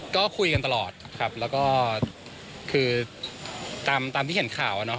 ก็คุยกันตลอดครับแล้วก็คือตามที่เห็นข่าวเนาะ